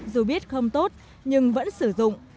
dù biết không tốt nhưng vẫn sử dụng